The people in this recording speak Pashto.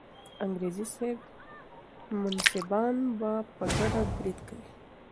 انګریزي صاحب منصبان به په ګډه برید کوي.